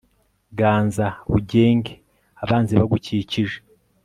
ganza, ugenge abanzi bagukikije